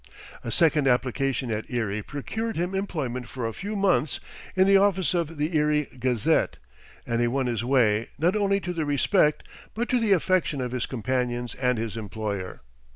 A second application at Erie procured him employment for a few months in the office of the Erie "Gazette," and he won his way, not only to the respect, but to the affection, of his companions and his employer.